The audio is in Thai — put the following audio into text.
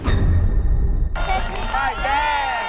เศรษฐีป้ายแดง